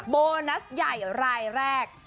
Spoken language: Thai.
โบนัสใหญ่รายแรก